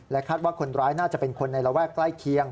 คาดว่าคนร้ายน่าจะเป็นคนในระแวกใกล้เคียง